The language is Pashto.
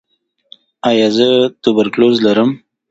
ایا زه تبرکلوز لرم؟